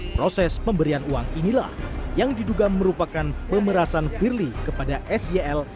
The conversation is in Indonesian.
proses pemberian uang inilah yang diduga merupakan pemerasan firly kepada syl